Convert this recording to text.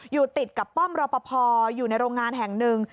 อยู่ติดกับป้อมรอปภอยู่ในโรงงานแห่งหนึ่ง